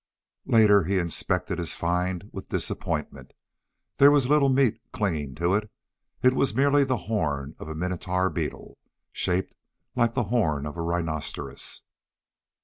Later he inspected his find with disappointment. There was little meat clinging to it. It was merely the horn of a Minotaur beetle, shaped like the horn of a rhinoceros.